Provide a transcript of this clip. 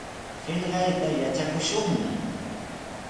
Qillqayta yatrakushunna.